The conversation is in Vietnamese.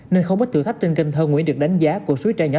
nên không ít thử thách trên kênh thơ nguyễn được đánh giá của suối tre nhỏ